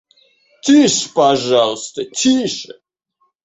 — Тише, пожалуйста, тише!